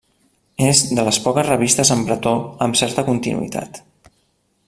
És de les poques revistes en bretó amb certa continuïtat.